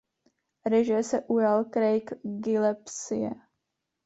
Režie se ujal Craig Gillespie.